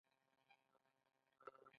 وریجې څنګه پخیږي؟